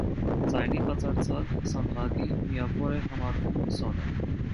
Ձայնի բացարձակ սանդղակի միավոր է համարվում սոնը։